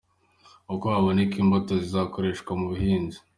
Uko haboneka imbuto zizakoreshwa mu buhinzi.